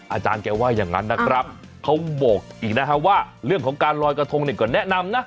อาจารย์แกว่าอย่างนั้นนะครับเขาบอกอีกนะฮะว่าเรื่องของการลอยกระทงเนี่ยก็แนะนำนะ